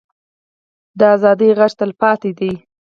د ازادۍ غږ تلپاتې دی